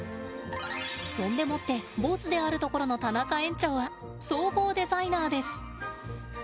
そんでもってボスであるところの田中園長は総合デザイナーです。